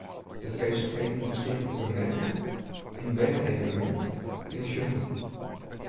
De feestlikheden besteane út in merke, in berne-evenemint en in sjongmiddei.